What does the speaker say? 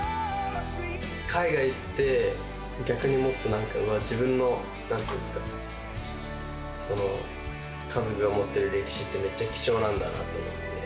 海外行って、逆にもっとなんか、自分の、なんか、その家族が持っている歴史ってめっちゃ貴重なんだなと思って。